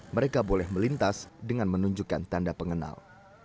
mereka boleh melintas dengan menunjukkan tanda pengenal